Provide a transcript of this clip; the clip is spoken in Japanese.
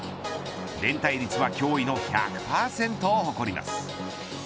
連対率は驚異の１００％を誇ります。